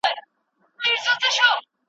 ما لیدلې د قومونو په جرګو کي